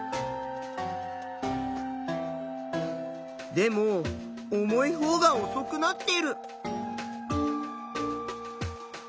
でも重いほうがおそくなってる。